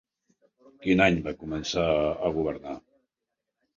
Quin any va començar a governar?